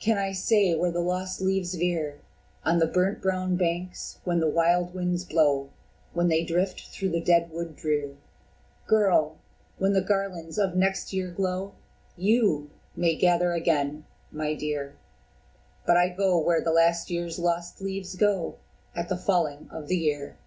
Can I say where the lost leaves veer On the brown burnt banks, when the wild winds blow, When they drift through the dead wood drear? Girl! when the garlands of next year glow, YOU may gather again, my dear But I go where the last year's lost leaves go At the falling of the year."